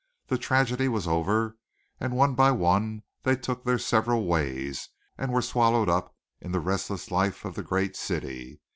The tragedy was over, and one by one they took their several ways, and were swallowed up in the restless life of the great city.